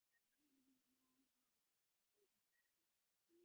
ހައުލާ ބެޑްޝީޓް ހޫރާލަމުން ކަހަލަ ގޮތަކަށް އެނދުން ތެދުވި